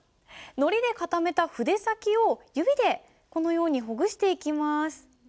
のりで固めた筆先を指でこのようにほぐしていきます。